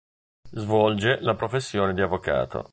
Svolge la professione di avvocato.